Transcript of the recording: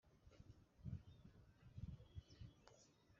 Babonye ko udakwiriye ab’amakenga